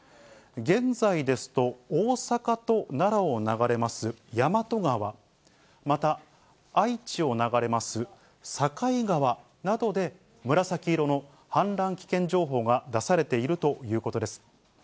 現在ですと、大阪と奈良を流れます大和川、また愛知を流れます境川などで、紫色の氾濫危険情報が出されているということです。